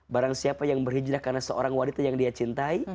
barang siapa yang berhijrah karena seorang wanita yang dia cintai